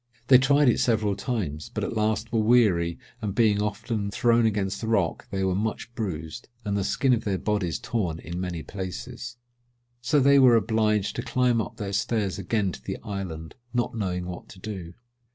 They tried it several times, but at last were weary, and being often thrown against the rock they were much bruised, and the skin of their bodies torn in many places. So they were obliged to climb up their stairs again to the island, not knowing what to do.